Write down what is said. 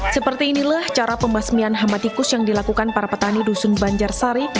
seperti inilah cara pembasmian hama tikus yang dilakukan para petani dusun banjarsari